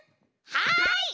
はい！